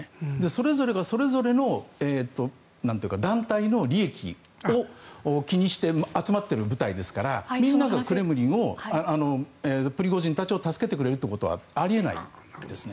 それぞれがそれぞれの団体の利益を気にして集まっている部隊ですからみんながクレムリンをプリゴジンたちを助けてくれるということはあり得ないですね。